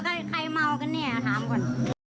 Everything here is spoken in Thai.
เดี๋ยวใครเมากันเนี่ยถามก่อน